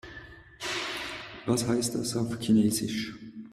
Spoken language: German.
Was heißt das auf Chinesisch?